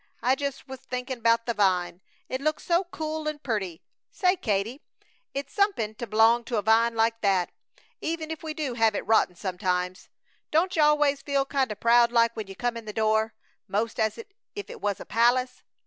I jus' was thinkin' about the vine; it looks so cool and purty. Say, Katie, it's somepin' to b'long to a vine like that, even if we do have it rotten sometimes! Don't you always feel kinda proud like when you come in the door, 'most as if it was a palace?